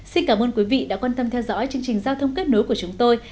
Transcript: xin cảm ơn quý vị đã quan tâm theo dõi chương trình giao thông kết nối của chúng tôi